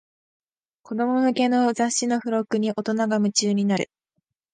子供向けの雑誌の付録に大人が夢中になる